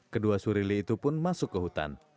kedua surili itu pun masuk ke hutan